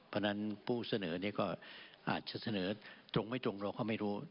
เพราะฉะนั้นผู้เสนอนี้ก็อาจจะเสนอตรงไม่ตรงเราก็ไม่รู้